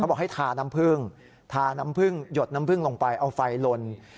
บอกให้ทาน้ำผึ้งทาน้ำพึ่งหยดน้ำผึ้งลงไปเอาไฟลน